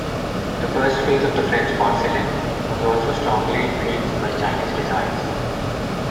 The first phase of the French porcelain was also strongly influenced by Chinese designs.